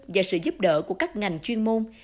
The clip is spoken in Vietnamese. và sự giúp đỡ của các ngành chuyên môn